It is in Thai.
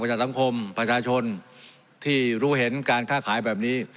ประชาตำคมประชาชนที่รู้เห็นการค่าขายแบบนี้